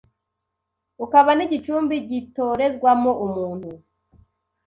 ukaba n’igicumbi gitorezwamo umuntu